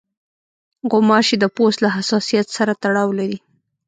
غوماشې د پوست له حساسیت سره تړاو لري.